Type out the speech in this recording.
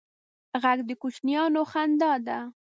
غږ د کوچنیانو خندا ده